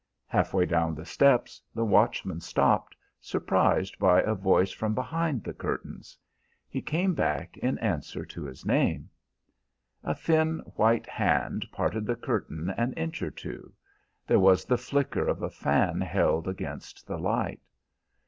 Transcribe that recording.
Half way down the steps the watchman stopped, surprised by a voice from behind the curtains. He came back in answer to his name. A thin white hand parted the curtain an inch or two. There was the flicker of a fan held against the light.